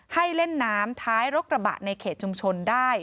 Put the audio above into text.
ให้เล่นน้ำท้ายรกระบะในเขตชุมชนได้